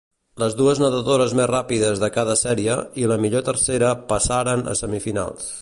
Les dues nedadores més ràpides de cada sèrie i la millor tercera passaren a semifinals.